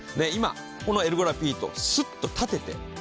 今このエルゴラピードスッと立てて。